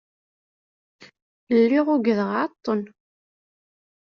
Lliɣ ugdeɣ εṭen.